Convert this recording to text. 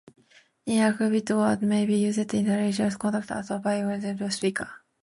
In Arabic words, may be used in religious contexts, or by educated Arabic speakers.